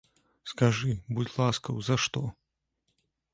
Скажы, будзь ласкаў, за што?